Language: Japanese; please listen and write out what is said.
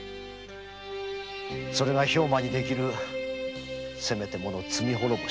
それが兵馬にできるせめてもの罪滅ぼしと思ってな。